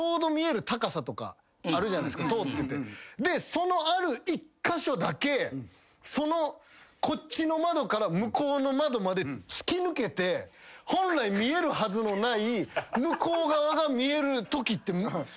そのある１カ所だけこっちの窓から向こうの窓まで突き抜けて本来見えるはずのない向こう側が見えるときって。